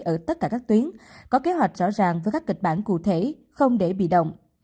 ở tất cả các tuyến có kế hoạch rõ ràng với các kịch bản cụ thể không để bị động